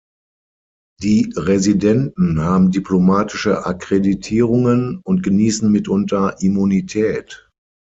Die Residenten haben diplomatische Akkreditierungen und genießen mitunter Immunität.